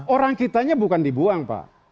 orang kitanya bukan dibuang pak